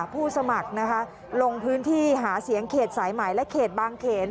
ผู้สมัครนะคะลงพื้นที่หาเสียงเขตสายใหม่และเขตบางเขน